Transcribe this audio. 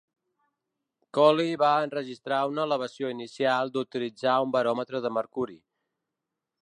Coli va enregistrar una elevació inicial d'utilitzar un baròmetre de mercuri.